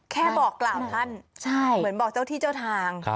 แค่บอกกล่าวท่านเหมือนบอกเจ้าที่เจ้าทาง